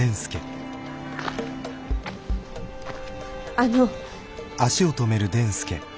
あの。